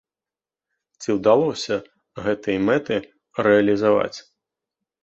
Ці ўдалося гэтыя мэты рэалізаваць?